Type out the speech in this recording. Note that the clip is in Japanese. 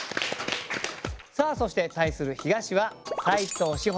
さあそして対する東は斉藤志歩さん